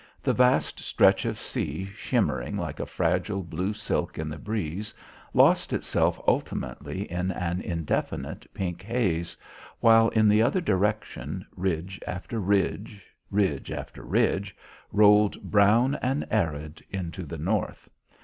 The vast stretch of sea shimmering like fragile blue silk in the breeze, lost itself ultimately in an indefinite pink haze, while in the other direction, ridge after ridge, ridge after ridge, rolled brown and arid into the north.